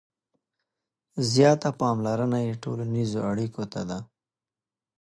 • زیاته پاملرنه یې ټولنیزو اړیکو ته ده.